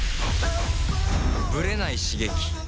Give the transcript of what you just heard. ブレない刺激